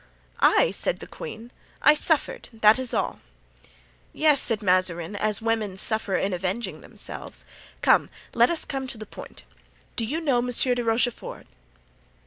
"I!" said the queen. "I suffered, that is all." "Yes," said Mazarin, "as women suffer in avenging themselves. Come, let us come to the point. Do you know Monsieur de Rochefort?"